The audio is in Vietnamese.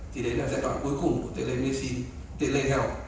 thì đấy là giai đoạn cuối cùng của tê lê mê xin tê lê heo